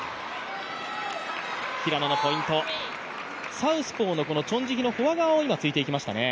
サウスポーのチョン・ジヒのフォア側を突いていきましたね。